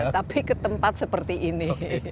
tapi ke tempat seperti ini